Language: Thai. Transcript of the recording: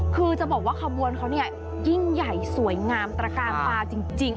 คือจะบอกว่าขบวนเขาเนี่ยยิ่งใหญ่สวยงามตระกาลตาจริง